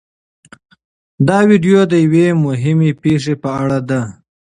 دا ویډیو د یوې مهمې پېښې په اړه ده.